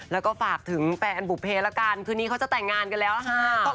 แล้วก็ฝากถึงแฟนบุเพละกันคืนนี้เขาจะแต่งงานกันแล้วค่ะ